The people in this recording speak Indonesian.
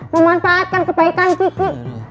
memanfaatkan kebaikan kiki